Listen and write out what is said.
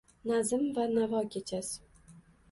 Nazm va navo kechasi